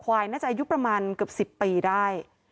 ควายน่าจะอายุประมาณเกือบ๑๐ปีได้